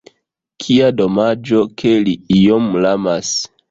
Kia domaĝo ke li iom lamas!